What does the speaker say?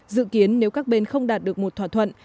dự kiến nếu các bên không đạt được một thỏa thuận